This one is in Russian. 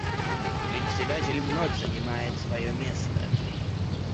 Председатель вновь занимает свое место.